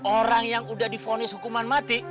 orang yang udah difonis hukuman mati